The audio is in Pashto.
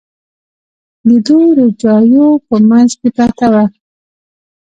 د دوو روجاییو په منځ کې پرته وه.